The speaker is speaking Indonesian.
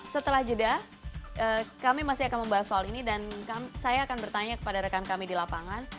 setelah jeda kami masih akan membahas soal ini dan saya akan bertanya kepada rekan kami di lapangan